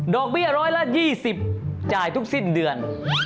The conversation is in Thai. เบี้ยร้อยละ๒๐จ่ายทุกสิ้นเดือน